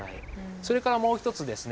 それからもう一つですね